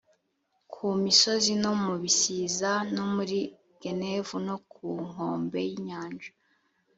ku misozi, no mu bisiza, no muri negevu no ku nkombe y’inyanja,